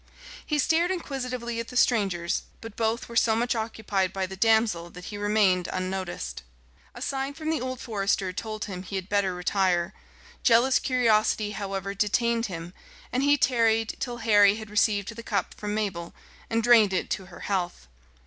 He stared inquisitively at the strangers, but both were so much occupied by the damsel that he remained unnoticed. A sign from the old forester told him he had better retire: jealous curiosity, however, detained him, and he tarried till Harry had received the cup from Mabel, and drained it to her health.